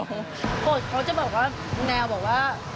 โกรธเขาจะบอกว่าแนวบอกว่า